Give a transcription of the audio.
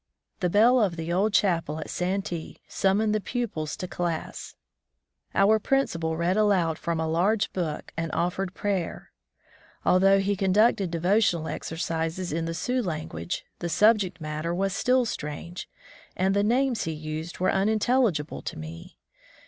The bell of the old chapel at Santee summoned the pupils to class. Our principal read aloud from a large book and offered prayer. Although he conducted devotional exercises in the Sioux language, the subject matter was still strange, and the names he used were unintelligible to me.